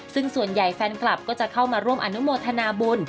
ซึ่งส่วนใหญ่แฟนคลับก็จะเข้ามาร่วมอนุโมทนาบุญ